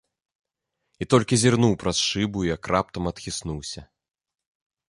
І толькі зірнуў праз шыбу, як раптам адхіснуўся.